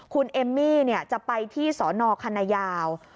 คุณเอมมี่จะไปที่สนคณะยาว